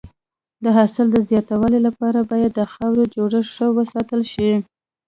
د حاصل د زیاتوالي لپاره باید د خاورې جوړښت ښه وساتل شي.